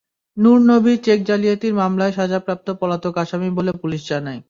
Nur Nabi cheque জালিয়াতির মামলায় সাজাপ্রাপ্ত পলাতক আসামি বলে পুলিশ জানায়।